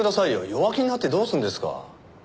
弱気になってどうするんですか。